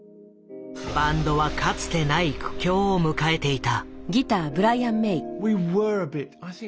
バンドはかつてない苦境を迎えていた。